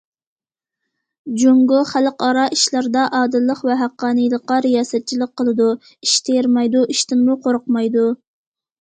جۇڭگو خەلقئارا ئىشلاردا ئادىللىق ۋە ھەققانىيلىققا رىياسەتچىلىك قىلىدۇ، ئىش تېرىمايدۇ، ئىشتىنمۇ قورقمايدۇ.